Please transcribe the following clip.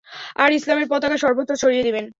আর ইসলামের পতাকা সর্বত্র ছড়িয়ে দিবেন।